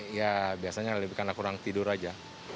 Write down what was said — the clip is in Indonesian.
ya biasanya lebih karena kurang tidur aja